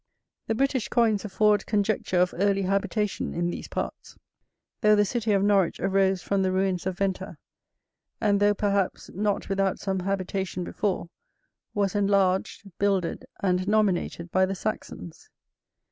The British coins afford conjecture of early habitation in these parts, though the city of Norwich arose from the ruins of Venta; and though, perhaps, not without some habitation before, was enlarged, builded, and nominated by the Saxons.